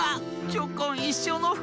チョコンいっしょうのふかく！